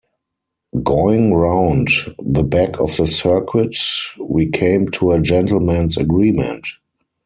Going round the back of the circuit we came to a gentleman's agreement.